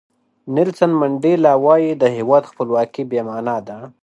نیلسن منډیلا وایي د هیواد خپلواکي بې معنا ده.